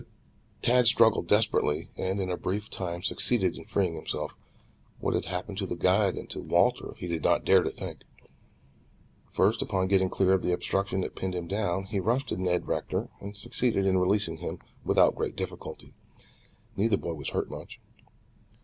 Tad struggled desperately and in a brief time succeeded in freeing himself. What had happened to the guide and to Walter he did not dare to think. First upon getting clear of the obstruction that pinned him down, he rushed to Ned Rector and succeeded in releasing him without great difficulty. Neither boy was hurt much.